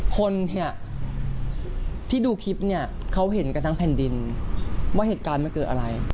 คนเนี่ยที่ดูคลิปเนี่ยเขาเห็นกันทั้งแผ่นดินว่าเหตุการณ์มันเกิดอะไร